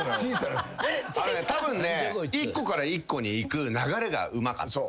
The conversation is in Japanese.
たぶん１個から１個にいく流れがうまかった。